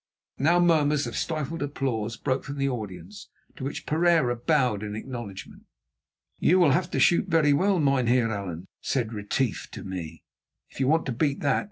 Now murmurs of stifled applause broke from the audience, to which Pereira bowed in acknowledgment. "You will have to shoot very well, Mynheer Allan," said Retief to me, "if you want to beat that.